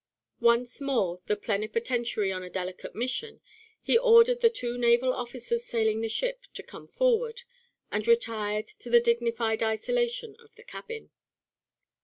Once more the plenipotentiary on a delicate mission, he ordered the two naval officers sailing the ship to come forward, and retired to the dignified isolation of the cabin.